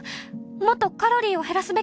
もっとカロリーを減らすべき。